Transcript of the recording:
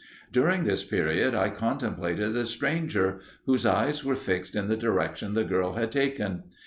During this period, I contemplated the stranger, whose eyes were fixed in the direction the girl had taken.